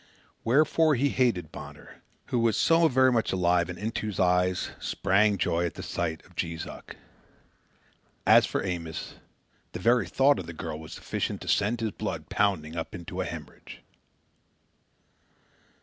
Wherefore he hated Bonner, who was so very much alive and into whose eyes sprang joy at the sight of Jees Uck. As for Amos, the very thought of the girl was sufficient to send his blood pounding up into a hemorrhage.